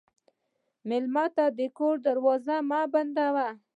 مېلمه ته د کور دروازې مه بندوه.